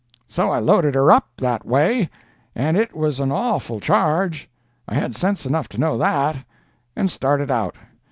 So I loaded her up that way, and it was an awful charge—I had sense enough to know that—and started out.